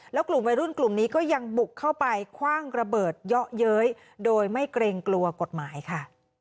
แล้วกลุ่มวัยรุ่นกลุ่มนี้ก็ยังบุกเข้าไปคว่างระเบิดเยาะเย้ยโดยไม่เกรงกลัวกฎหมายค่ะ